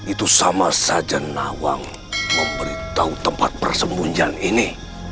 itu sama saja nawang memberitahu tempat persembunyian ini